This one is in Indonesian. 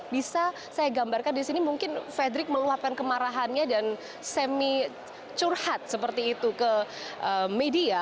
bisa saya gambarkan di sini mungkin frederick meluapkan kemarahannya dan semi curhat seperti itu ke media